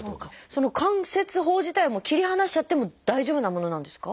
その関節包自体は切り離しちゃっても大丈夫なものなんですか？